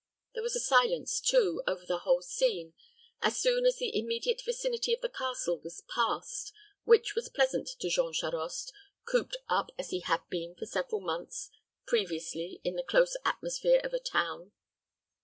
There was a silence, too, over the whole scene, as soon as the immediate vicinity of the castle was passed, which was pleasant to Jean Charost, cooped up as he had been for several months previously in the close atmosphere of a town.